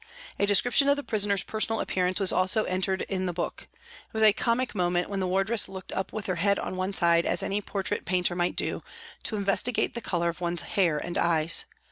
A description of the prisoner's personal appearance was also entered in the book. It was a comic moment when the wardress looked up with her head on one side, as any portrait painter might do, to investigate the colour of one's hair and eyes.